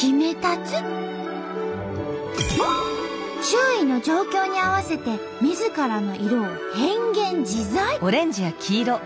周囲の状況に合わせてみずからの色を変幻自在！